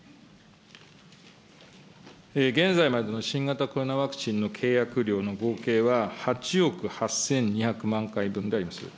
現在までの新型コロナワクチンの契約量の合計は、８億８２００万回分であります。